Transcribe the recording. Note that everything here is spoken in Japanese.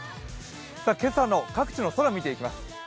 今朝の各地の空、見ていきます。